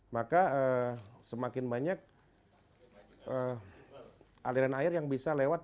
maka semakin banyak aliran air yang bisa lewat